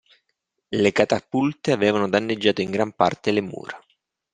Le catapulte avevano danneggiato in gran parte le mura.